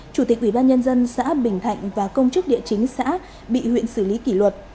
chủ tịch ủy ban nhân dân xã bình thạnh và công chức địa chính xã bị huyện xử lý kỷ luật